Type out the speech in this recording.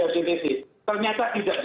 karena beliau tidak hanya melihat dari satu sisi